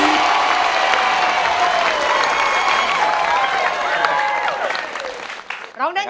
อยากให้ได้ตังค์ไปเยอะ